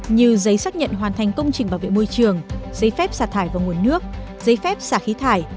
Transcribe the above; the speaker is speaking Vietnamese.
như giấy xác nhận hoàn thành công trình bảo vệ môi trường giấy phép xả thải vào nguồn nước giấy phép xả khí thải